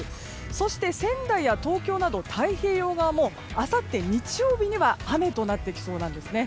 そして仙台や東京など太平洋側もあさって日曜日には雨となってきそうなんです。